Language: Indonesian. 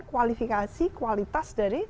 kualifikasi kualitas dari